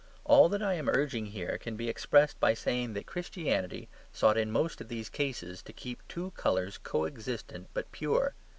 All that I am urging here can be expressed by saying that Christianity sought in most of these cases to keep two colours coexistent but pure.